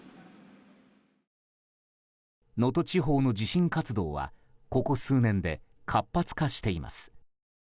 能登地方の地震活動はここ数年で活発化しています。